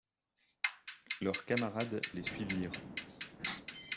Leurs camarades les suivirent.